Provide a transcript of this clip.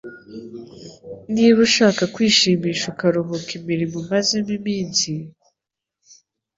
Niba ushaka kwishimisha ukaruhuka imirimo umazemo iminsi,